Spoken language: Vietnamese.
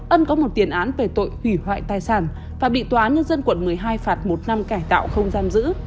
ân có một tiền án về tội hủy hoại tài sản và bị tòa án nhân dân quận một mươi hai phạt một năm cải tạo không giam giữ